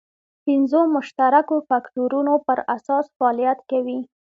پنځو مشترکو فکټورونو پر اساس فعالیت کوي.